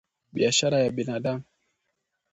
biashara ya binadamu